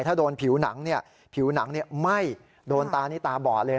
ถ้าโดนผิวหนังผิวหนังไหม้โดนตานี่ตาบอดเลย